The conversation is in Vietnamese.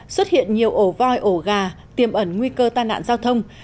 xuất hiện nhiều ổ voi ổ gà tiêm ẩn nguy cơ tai nạn giao thông